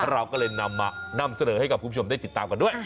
เราก็เลยนำมานำเสนอให้กับคุณผู้ชมได้ติดตามกันด้วย